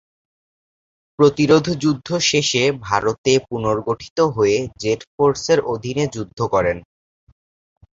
প্রতিরোধযুদ্ধ শেষে ভারতে পুনর্গঠিত হয়ে জেড ফোর্সের অধীনে যুদ্ধ করেন।